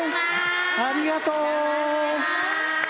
ありがとう！